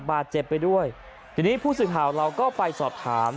บาดเจ็บไปด้วยทีนี้ผู้สื่อข่าวเราก็ไปสอบถาม